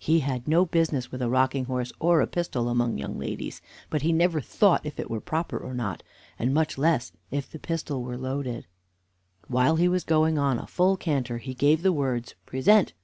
He had no business with a rocking horse or a pistol among young ladies, but he never thought if it were proper or not, and much less if the pistol were loaded. While he was going on a full canter, he gave the words, "Present!